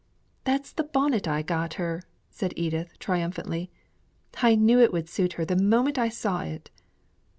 "That's the bonnet I got her!" said Edith, triumphantly. "I knew it would suit her the moment I saw it."